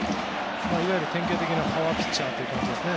いわゆる典型的なパワーピッチャーという感じですね。